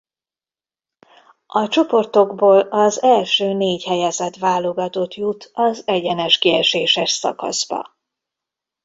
A csoportokból az első négy helyezett válogatott jut az egyenes kieséses szakaszba.